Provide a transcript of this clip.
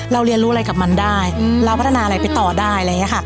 เรียนรู้อะไรกับมันได้เราพัฒนาอะไรไปต่อได้อะไรอย่างนี้ค่ะ